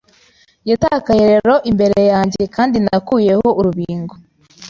Yatakaye rero imbere yanjyeKandi nakuyeho urubingo